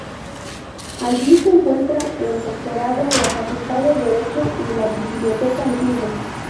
Allí se encuentran el rectorado, la Facultad de Derecho y la biblioteca antigua.